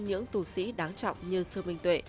những tù sĩ đáng trọng như sư minh tuệ